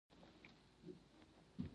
د کابل شاهانو دوره ډیره اوږده وه